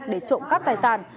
để trộm các tài sản